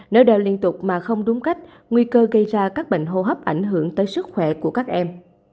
nếu đeo liên tục mà không đúng cách nguy cơ gây ra các bệnh hô hấp ảnh hưởng tới sức khỏe của các em